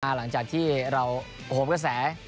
หลังจากที่เราโอ้โหกระแส